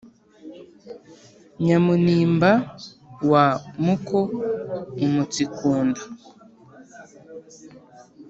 Nyamunimba wa Muko-Umutsi ku nda.